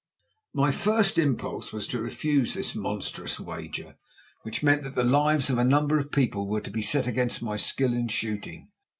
Now my first impulse was to refuse this monstrous wager, which meant that the lives of a number of people were to be set against my skill in shooting.